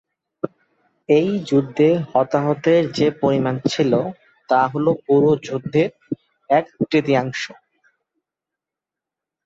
এই যুদ্ধে হতাহতের যে পরিমাণ ছিলো তা হলো পুরো যুদ্ধের এক-তৃতীয়াংশ।